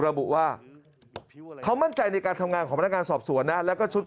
ระบุว่าเขามั่นใจในการทำงานของพนักงานสอบสวนนะแล้วก็ชุด